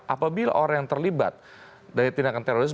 apabila orang yang terlibat dari tindakan teroris